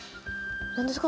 何ですか？